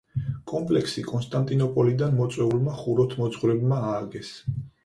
კომპლექსი კონსტანტინოპოლიდან მოწვეულმა ხუროთმოძღვრებმა ააგეს.